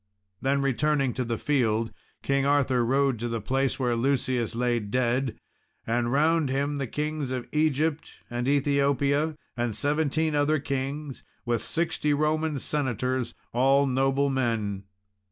Then returning to the field, King Arthur rode to the place where Lucius lay dead, and round him the kings of Egypt and Ethiopia, and seventeen other kings, with sixty Roman senators, all noble men.